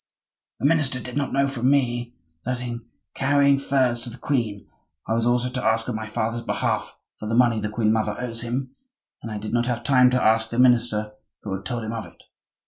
"The minister did not know from me that in carrying furs to the queen I was also to ask on my father's behalf for the money the queen mother owes him; and I did not have time to ask the minister who had told him of it."